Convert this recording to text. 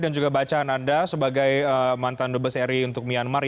juga bacaan anda sebagai mantan dubes ri untuk myanmar